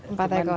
empat ekor ya